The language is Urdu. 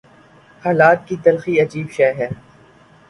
حالات کی تلخی عجیب شے ہے۔